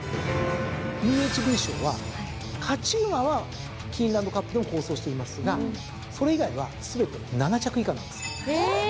ＵＨＢ賞は勝ち馬はキーンランドカップでも好走していますがそれ以外は全て７着以下なんですよ。